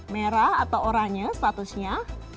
merah atau oranye statusnya